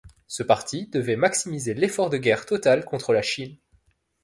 Ce parti devait maximiser l'effort de guerre totale contre la Chine.